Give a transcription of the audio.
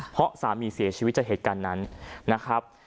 เพราะสามีเสียชีวิตจากเหตุการณ์นั้นนะครับ